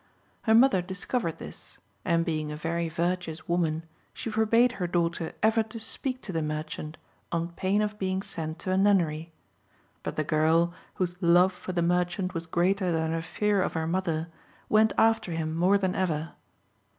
Her mother discovered this, and being a very virtuous woman, she forbade her daughter ever to speak to the merchant on pain of being sent to a nunnery. But the girl, whose love for the merchant was greater than her fear of her mother, went after him more than ever.